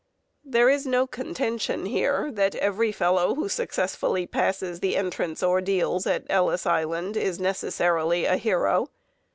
There is no contention here that every fellow who successfully passes the entrance ordeals at Ellis Island is necessarily a hero.